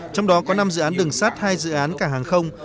trong đó có năm dự án đường sát hai dự án cả hàng không